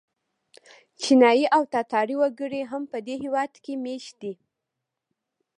چینایي او تاتاري وګړي هم په دې هېواد کې مېشت دي.